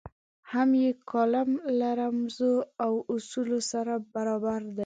هم یې کالم له رموزو او اصولو سره برابر دی.